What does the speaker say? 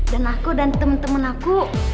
dan aku dan temen temen aku